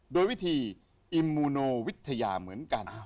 โดยวิธีอิมมูโนวิทยาเหมือนกัน